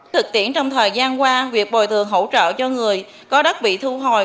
thực tiễn trong thời gian qua việc bồi thường hỗ trợ cho người có đất bị thu hồi